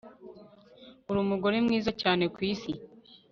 Uri umugore mwiza cyane kwisi